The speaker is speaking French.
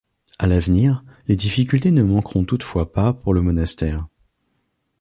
À l'avenir, les difficultés ne manqueront toutefois pas pour le monastère.